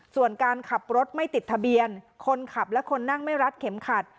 ส่วนการขับรถไม่ติดทะเบียนคนขับและคนนั่งไม่รัดเข็มขัด